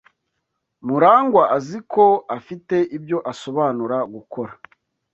Murangwa azi ko afite ibyo asobanura gukora.